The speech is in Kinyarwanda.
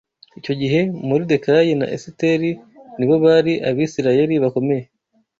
Icyo gihe Moridekayi na Esiteri ni bo bari Abisirayeli bakomeye